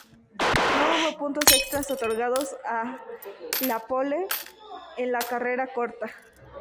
No hubo puntos extras otorgados a la "pole" en la carrera corta.